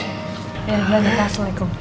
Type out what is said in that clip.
ya baiklah assalamualaikum